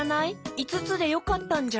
いつつでよかったんじゃ。